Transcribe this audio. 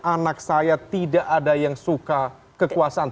anak saya tidak ada yang suka kekuasaan